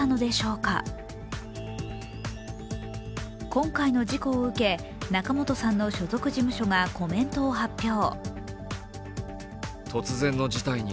今回の事故を受け、仲本さんの所属事務所がコメントを発表。